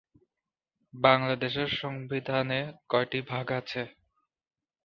বাংলাদেশের সংবিধানে কয়টি ভাগ আছে?